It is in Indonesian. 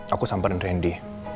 aku samperin randy